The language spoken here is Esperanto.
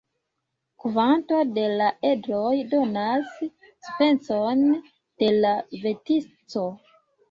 Kvanto da la edroj donas specon de la vertico.